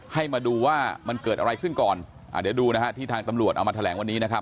ให้มาดูว่ามันเกิดอะไรขึ้นก่อนอ่าเดี๋ยวดูนะฮะที่ทางตำรวจเอามาแถลงวันนี้นะครับ